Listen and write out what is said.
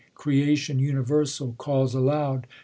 Creation universal calls aloud.